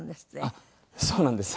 あっそうなんです。